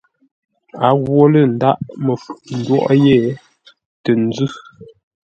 O ghwo lə̂ ndághʼ məfu ńdwóʼó yé tə nzʉ́.